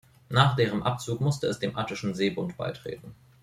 Nach deren Abzug musste es dem Attischen Seebund beitreten.